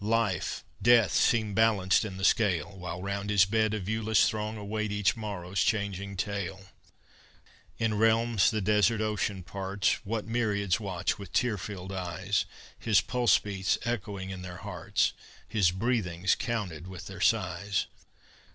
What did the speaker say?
Life, death, seem balanced in the scale, While round his bed a viewless throng Await each morrow's changing tale. In realms the desert ocean parts What myriads watch with tear filled eyes, His pulse beats echoing in their hearts, His breathings counted with their sighs!